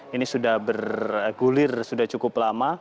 ini sudah bergulir sudah cukup lama